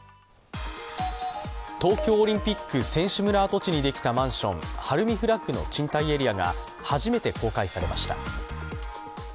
東京オリンピック選手村跡地にできたマンション、ＨＡＲＵＭＩＦＬＡＧの賃貸エリアが初めて公開されました。